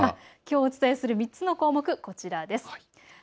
きょうお伝えする３つの項目、こちらです。